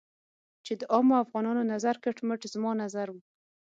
چې د عامو افغانانو نظر کټ مټ زما نظر و.